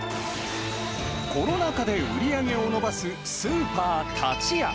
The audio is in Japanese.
コロナ禍で売り上げを伸ばすスーパー、タチヤ。